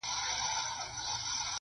• چغال هم کړې له خوښیه انګولاوي -